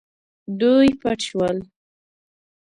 دوی پټ شول.